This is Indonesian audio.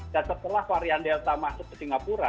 dan setelah varian delta masuk ke singapura